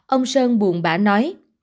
ông sơn buồn bả nói